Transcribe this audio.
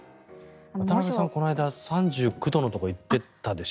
渡辺さん、この間３９度のところ行ってたでしょ？